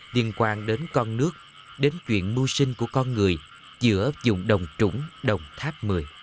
liên quan đến con nước đến chuyện mưu sinh của con người giữa dùng đồng trũng đồng tháp một mươi